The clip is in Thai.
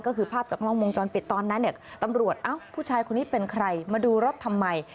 ก็คือภาพจากกล้องวงจรปิดตอนนั้นเนี่ยตำรวจเอ้าผู้ชายคนนี้เป็นใครมาดูรถทำไม